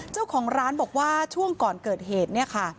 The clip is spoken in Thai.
เจ้าของร้านบอกว่าช่วงก่อนเกิดเหตุ